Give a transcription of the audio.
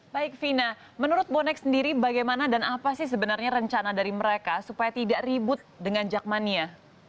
baik vina menurut bonek sendiri bagaimana dan apa sih sebenarnya rencana dari mereka supaya tidak ribut dengan jakmania